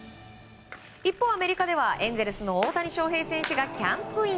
一方、アメリカではエンゼルスの大谷翔平選手がキャンプイン。